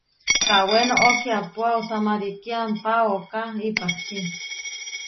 Kawé noʼó kiápua osá marikí ampá ooká ipahčí.